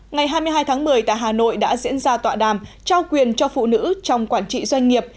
ngày hai mươi hai tháng một mươi tại hà nội đã diễn ra tọa đàm trao quyền cho phụ nữ trong quản trị doanh nghiệp